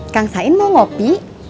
kang sain mau kopi